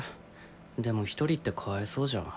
でも一人ってかあえそうじゃん。